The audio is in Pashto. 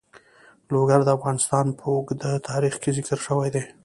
لوگر د افغانستان په اوږده تاریخ کې ذکر شوی دی.